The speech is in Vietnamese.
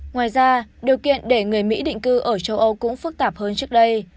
ngoài ra điều kiện để người mỹ định cư ở châu âu cũng phức tạp hơn trước đây